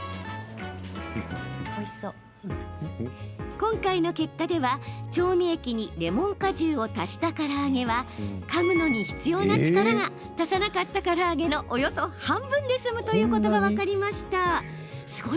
今回の結果では、調味液にレモン果汁を足したから揚げはかむのに必要な力が足さなかったから揚げの約半分で済むということが分かりました。